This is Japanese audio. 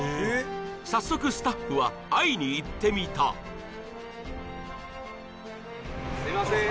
早速スタッフは会いに行ってみたすいません